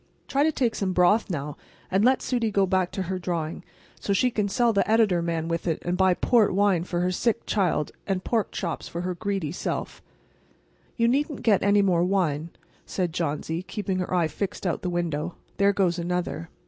Try to take some broth now, and let Sudie go back to her drawing, so she can sell the editor man with it, and buy port wine for her sick child, and pork chops for her greedy self." "You needn't get any more wine," said Johnsy, keeping her eyes fixed out the window. "There goes another.